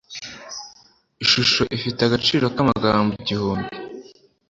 Ishusho ifite agaciro kamagambo igihumbi